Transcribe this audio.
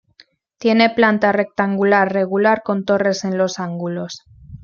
Tiene planta rectangular regular con torres en los ángulos.